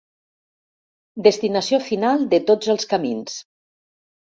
Destinació final de tots els camins.